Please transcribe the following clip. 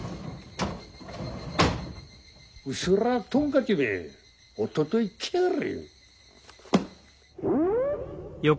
うすらトンカチめおととい来やがれ！